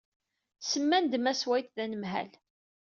Semman-d Mass White d anemhal.